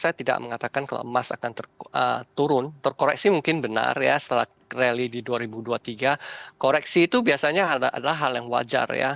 saya tidak mengatakan kalau emas akan turun terkoreksi mungkin benar ya setelah rally di dua ribu dua puluh tiga koreksi itu biasanya adalah hal yang wajar ya